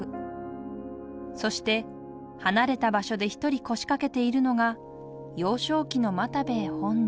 そして離れた場所で一人腰掛けているのが幼少期の又兵衛本人。